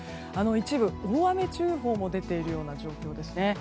一部、大雨注意報も出ている状況ですね。